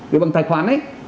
với bằng tài khoản ấy